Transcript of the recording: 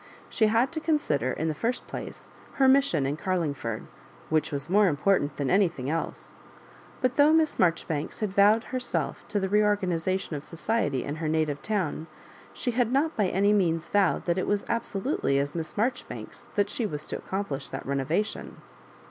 She had to consider, in the first place, iier mission in Car lingford, which was more important than any thing else; but though Miss Marjoribanks had vowed herself to the reorganisation of society in her native town, she had not by any means vowed that it was absolutely as Miss Marjori banks that she was to accomplish that renova tion.